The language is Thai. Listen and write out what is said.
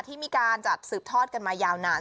ที่มีการจัดสืบทอดกันมายาวนาน